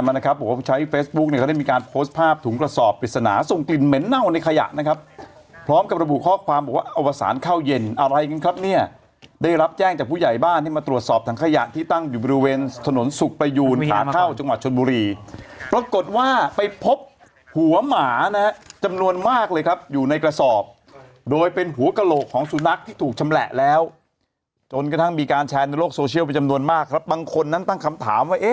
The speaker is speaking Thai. บอกว่าผู้ชายเฟสบุ๊คเนี่ยเขาได้มีการโพสต์ภาพถุงกระสอบปริศนาส่งกลิ่นเหม็นเน่าในขยะนะครับพร้อมกับระบุข้อความบอกว่าอวสารข้าวเย็นอะไรกันครับเนี่ยได้รับแจ้งจากผู้ใหญ่บ้านที่มาตรวจสอบทางขยะที่ตั้งอยู่บริเวณถนนสุกประยูนขาข้าวจังหวัดชนบุรีปรากฏว่าไปพบหัวหมานะจำนวนมา